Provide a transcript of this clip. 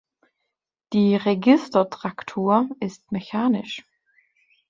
Die Registertraktur ist mechanisch.